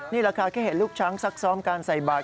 นี่แหละค่ะแค่เห็นลูกช้างซักซ้อมการใส่บาท